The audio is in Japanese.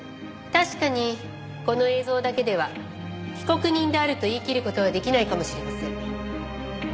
確かにこの映像だけでは被告人であると言い切る事は出来ないかもしれません。